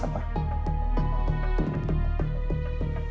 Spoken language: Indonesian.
tapi apa aku masih bisa ketemu dengan elsa pak